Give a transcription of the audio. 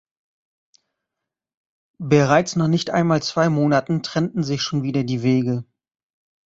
Bereits nach nicht einmal zwei Monaten trennten sich schon wieder die Wege.